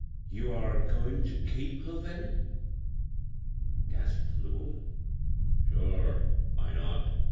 " You are goin* ter keep her then ?". gasped the woman. "Sure! Why not?